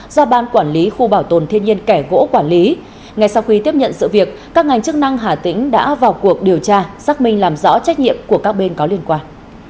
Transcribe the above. do ban quản lý khu bảo tồn thiên nhiên kẻ gỗ quản lý ngay sau khi tiếp nhận sự việc các ngành chức năng hà tĩnh đã vào cuộc điều tra xác minh làm rõ trách nhiệm của các bên có liên quan